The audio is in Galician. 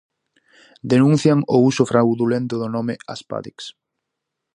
Denuncian o uso fraudulento do nome Aspadex.